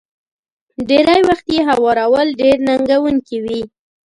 ډېری وخت يې هوارول ډېر ننګوونکي وي.